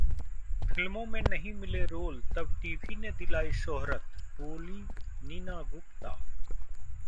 फिल्मों में नहीं मिले रोल तब टीवी ने दिलाई शोहरत, बोलीं नीना गुप्ता